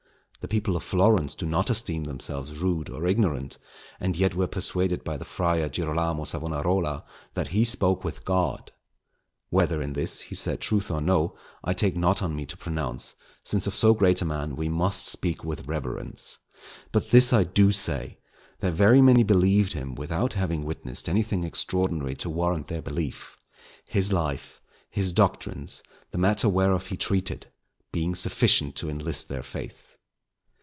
The people of Florence do not esteem themselves rude or ignorant, and yet were persuaded by the Friar Girolamo Savonarola that he spoke with God. Whether in this he said truth or no, I take not on me to pronounce, since of so great a man we must speak with reverence; but this I do say, that very many believed him without having witnessed anything extraordinary to warrant their belief; his life, his doctrines, the matter whereof he treated, being sufficient to enlist their faith.